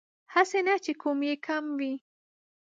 هسې نه چې کوم يې کم وي